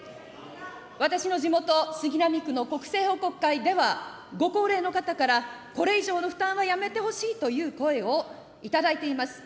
私の地元、杉並区の国政報告会では、ご高齢の方から、これ以上の負担はやめてほしいという声を頂いています。